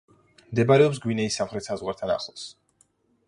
მდებარეობს გვინეის სამხრეთ საზღვართან ახლოს.